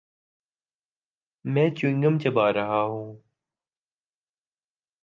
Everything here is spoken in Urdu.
میں چیوینگ گم چبا رہا ہوں۔